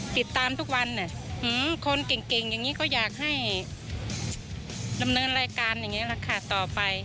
ติดตามทุกวันคนเก่งอย่างนี้ก็อยากให้ดำเนินรายการต่อไป